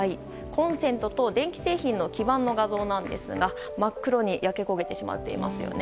コンセントと電気製品の基板の画像なんですが真っ黒に焼け焦げてしまっていますよね。